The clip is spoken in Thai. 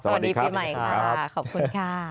สวัสดีปีใหม่ค่ะขอบคุณค่ะ